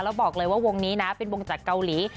แล้วบอกเลยว่าวงนี้นะเป็นวงจากเกาหลี